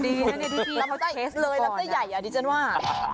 ดีนะเนี่ยพี่พี่รับไส้ใหญ่ดีจริงว่า